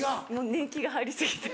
年季が入り過ぎて。